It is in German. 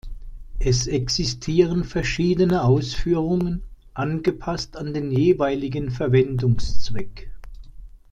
Es existieren verschiedene Ausführungen, angepasst an den jeweiligen Verwendungszweck.